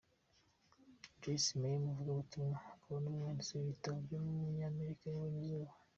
Joyce Meyer, umuvugabutumwa, akaba n’umwanditsi w’ibitabo w’umunyamerika yabonye izuba.